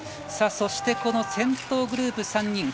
そして、先頭グループ３人。